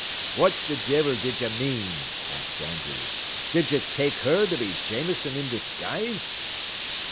"'What th' devil did ye mean?' asked Andrews; 'did ye take her to be Jameson in disguise?'